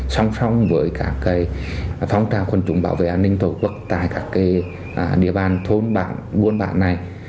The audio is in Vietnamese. song song với phong trào quân chủng bảo vệ an ninh tổ quốc tại địa bàn thôn bạc buôn bạc này